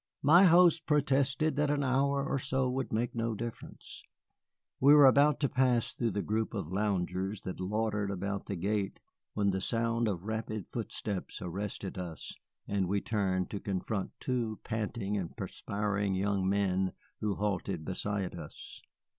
My host protested that an hour or so would make no difference. We were about to pass through the group of loungers that loitered by the gate when the sound of rapid footsteps arrested us, and we turned to confront two panting and perspiring young men who halted beside us.